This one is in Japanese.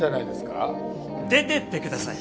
出てってください。